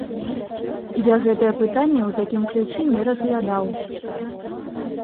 Я гэтае пытанне ў такім ключы не разглядаў.